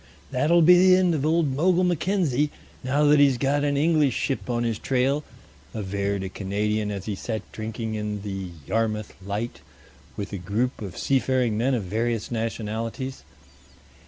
"That'll be the end of old Mogul Mackenzie, now that he's got an English ship on his trail," averred a Canadian as he sat drinking in the "Yarmouth Light" with a group of seafaring men of various nationalities.